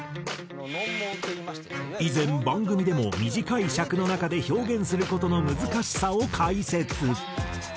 以前番組でも短い尺の中で表現する事の難しさを解説。